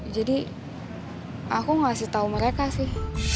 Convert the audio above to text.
jadi aku ngasih tahu mereka sih